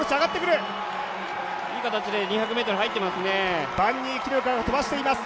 いい形で２００ｍ入ってますね。